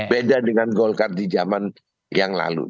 beda dengan golkar di zaman yang lalu